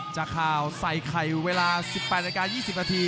จากข่าวใส่ไข่เวลา๑๘นาที๒๐นาที